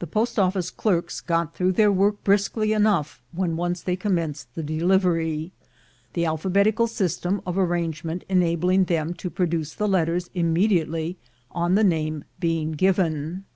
The post office clerks got through their work briskly enough when once they commenced the delivery, the alphabetical system of arrangement enabling them to produce the letters immediately on the name being given.